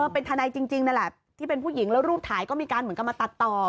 เป็นทนายจริงนั่นแหละที่เป็นผู้หญิงแล้วรูปถ่ายก็มีการเหมือนกับมาตัดต่อ